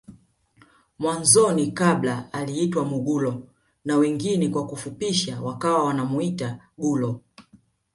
Mwanzoni kabla aliitwa Mugulo na wengine kwa kufupisha wakawa wanamuita gulo